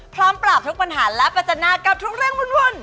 พร้อมปราบทุกปัญหาและประจันนากับทุกเรื่องวุ่น